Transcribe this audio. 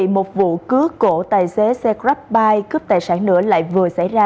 một vụ cướp cổ tài xế xe grabbuy cướp tài sản nữa lại vừa xảy ra